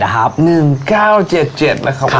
๑๙๗๗นะครับโอ้โห